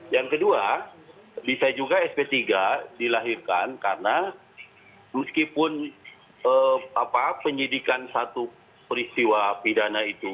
yang kedua bisa juga sp tiga dilahirkan karena meskipun penyidikan satu peristiwa pidana itu